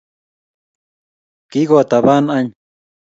Kikot taban any